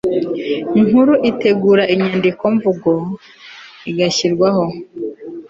Nkuru itegura inyandiko mvugo igashyirwaho